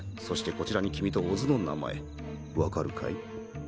そしてこちらに君と小津の名前分かるかい？